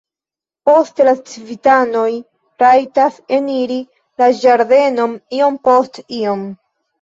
Poste la civitanoj rajtas eniri la ĝardenon iom post iom.